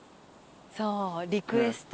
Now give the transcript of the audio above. そうリクエスト。